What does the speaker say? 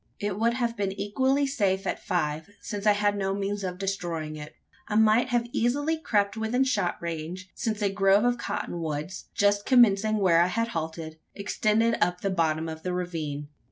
It would have been equally safe at five: since I had no means of destroying it. I might easily have crept within shot range since a grove of cotton woods, just commencing where I had halted, extended up the bottom of the ravine.